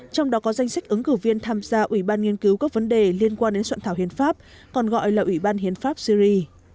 trong đó có danh sách ứng cử viên tham gia ủy ban nghiên cứu các vấn đề liên quan đến soạn thảo hiến pháp còn gọi là ủy ban hiến pháp syri